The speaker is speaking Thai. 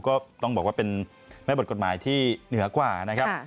ก็ต้องบอกว่าเป็นแม่บทกฎหมายที่เหนือกว่านะครับ